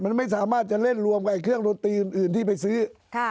มันไม่สามารถจะเล่นรวมกับเครื่องดนตรีอื่นที่ไปซื้อ